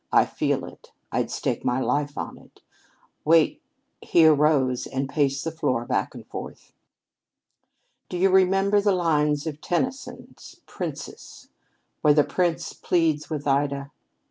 I feel it! I'd stake my life on it. Wait " He arose and paced the floor back and forth. "Do you remember the lines from Tennyson's 'Princess' where the Prince pleads with Ida?